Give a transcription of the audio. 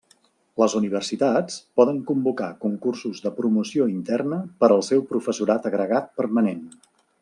Les universitats poden convocar concursos de promoció interna per al seu professorat agregat permanent.